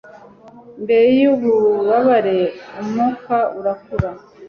mbere y'ububabare; umwuka urakura